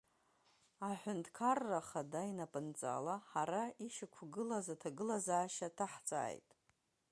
Аҳәынҭқарра Ахада инапынҵала, ҳара ишьақәгылаз аҭагылазаашьа ҭаҳҵааит.